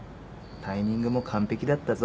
タイミングも完璧だったぞ。